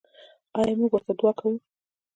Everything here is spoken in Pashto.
آیا موږ ورته دعا کوو؟